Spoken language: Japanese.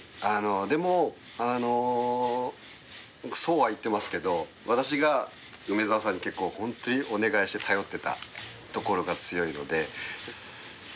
でもあのそうは言ってますけど私が梅沢さんに結構ホントにお願いして頼っていたところが強いので。